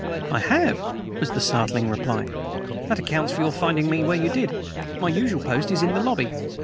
"I have!" was the startling reply. "That accounts for your finding me where you did. My usual post is in the lobby.